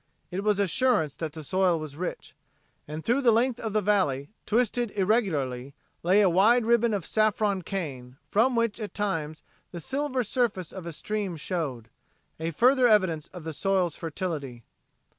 It was assurance that the soil was rich. And through the length of the valley, twisted irregularly, lay a wide ribbon of saffron cane, from which at times the silver surface of a stream showed a further evidence of the soil's fertility.